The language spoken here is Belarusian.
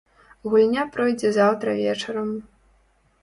Гульня пройдзе заўтра вечарам.